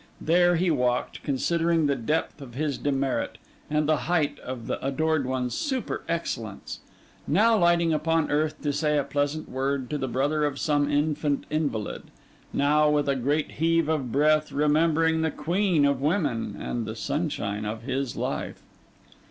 There he walked, considering the depth of his demerit and the height of the adored one's super excellence; now lighting upon earth to say a pleasant word to the brother of some infant invalid; now, with a great heave of breath, remembering the queen of women, and the sunshine of his life.